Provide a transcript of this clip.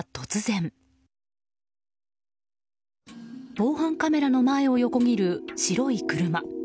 防犯カメラの前を横切る白い車。